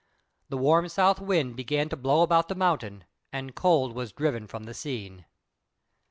The warm South Wind began to blow about the mountain, and Cold was driven from the scene.